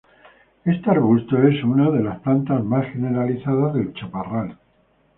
Este arbusto es una de las plantas más generalizadas del chaparral.